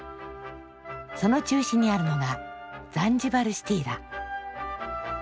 その中心にあるのがザンジバルシティだ。